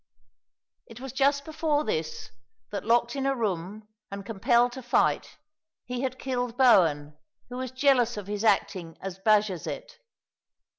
It was just before this, that locked in a room and compelled to fight, he had killed Bowen, who was jealous of his acting as Bajazet.